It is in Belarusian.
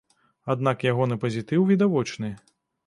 Аднак ягоны пазітыў відавочны.